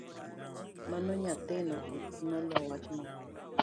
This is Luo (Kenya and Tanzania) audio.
Mano nyathino ok nolo wachno